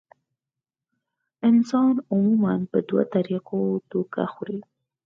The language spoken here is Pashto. انسان عموماً پۀ دوه طريقو دوکه خوري -